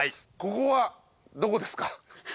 ここはどこですか？